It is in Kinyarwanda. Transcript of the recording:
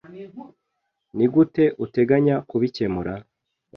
Nigute uteganya kubikemura?